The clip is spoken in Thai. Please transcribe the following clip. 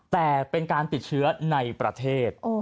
แต่เป็นการติดเชื้อในประเทศ